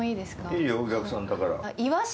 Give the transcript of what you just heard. いいよ、お客さんだから。